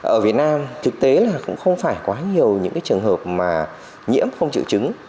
ở việt nam thực tế là cũng không phải quá nhiều những trường hợp mà nhiễm không chịu chứng